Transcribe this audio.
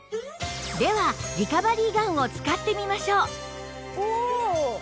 ではリカバリーガンを使ってみましょう